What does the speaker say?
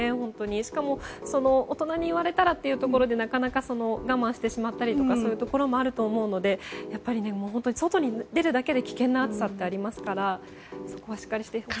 しかも大人に言われたらというとなかなか我慢してしまったりそういうところもあると思うのでやっぱり本当に外に出るだけで危険な暑さってありますからそこはしっかりしていかないと。